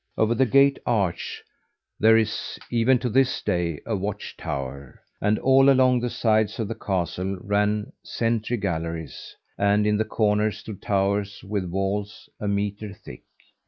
Over the gate arch there is, even to this day, a watch tower; and all along the sides of the castle ran sentry galleries, and in the corners stood towers with walls a metre thick.